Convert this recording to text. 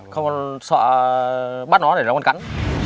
không sợ bắt nó để nó còn cắn